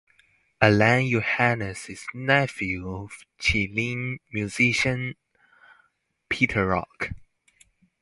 Alain Johannes is nephew of Chilean musician Peter Rock.